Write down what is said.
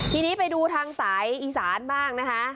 ทีนี้ไปดูทางสายอีสานบ้างนะคะ